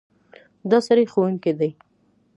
دا سړی ښوونکی دی.